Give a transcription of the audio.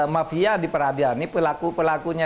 mafia diperadiani pelaku pelakunya